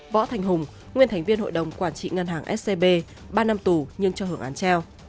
võ thành hùng nguyên thành viên hội đồng quản trị ngân hàng scb ba năm tù nhưng cho hưởng án treo